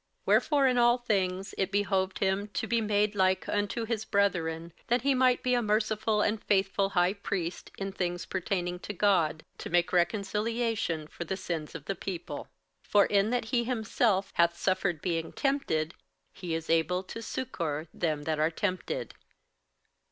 58:002:017 Wherefore in all things it behoved him to be made like unto his brethren, that he might be a merciful and faithful high priest in things pertaining to God, to make reconciliation for the sins of the people. 58:002:018 For in that he himself hath suffered being tempted, he is able to succour them that are tempted.